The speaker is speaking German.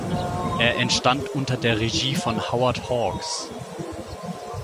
Er entstand unter der Regie von Howard Hawks.